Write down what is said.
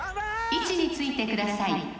位置についてください